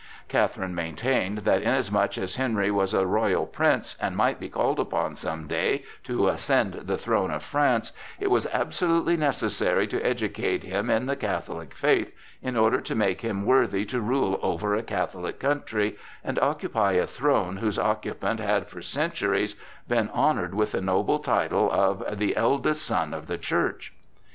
Catherine maintained that, inasmuch as Henry was a royal prince and might be called upon some day to ascend the throne of France, it was absolutely necessary to educate him in the Catholic faith in order to make him worthy to rule over a Catholic country and occupy a throne whose occupant had for centuries been honored with the noble title of the "eldest son of the Church."